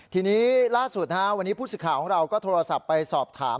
ทีนี้ล่าสุดวันนี้ผู้สิทธิ์ของเราก็โทรศัพท์ไปสอบถาม